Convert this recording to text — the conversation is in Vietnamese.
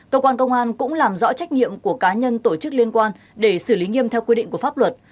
cơ quan công an cũng làm rõ trách nhiệm của cá nhân tổ chức liên quan để xử lý nghiêm theo quy định của pháp luật